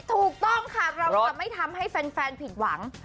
ถูกต้องค่ะเราจะไม่ทำให้แฟนผิดหวัง